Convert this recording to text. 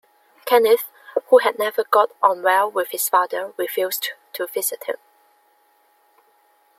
Kenneth, who had never got on well with his father, refused to visit him.